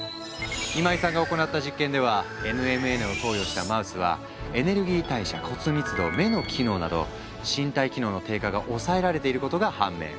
今井さんが行った実験ではＮＭＮを投与したマウスはエネルギー代謝骨密度目の機能など身体機能の低下が抑えられていることが判明。